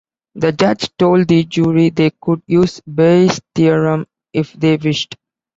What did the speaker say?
The judge told the jury they could use Bayes's theorem if they wished.